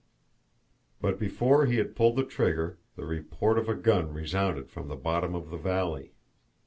But before he had pulled the trigger the report of a gun resounded from the bottom of the valley.